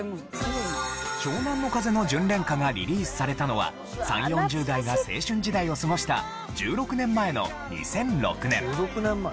湘南乃風の『純恋歌』がリリースされたのは３０４０代が青春時代を過ごした１６年前の２００６年。